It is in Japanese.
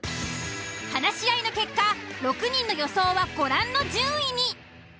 話し合いの結果６人の予想はご覧の順位に。